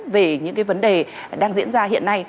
về những cái vấn đề đang diễn ra hiện nay